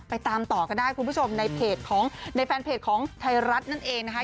ไปตามต่อก็ได้คุณผู้ชมในแฟนเพจของไทรัศน์นั่นเองนะคะ